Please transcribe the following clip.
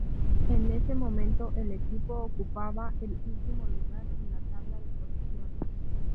En ese momento el equipo ocupaba el último lugar en la tabla de posiciones.